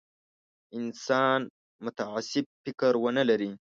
انسان متعصب فکر ونه لري.